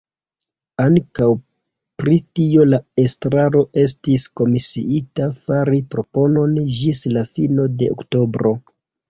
Ankaŭ pri tio la Estraro estis komisiita fari proponon ĝis la fino de oktobro.